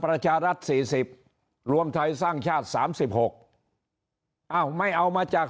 ประชารัฐสี่สิบรวมไทยสร้างชาติสามสิบหกอะไม่เอามาจาก